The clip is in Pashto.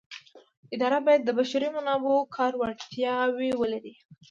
اداره باید د بشري منابعو کاري وړتیاوې ولري.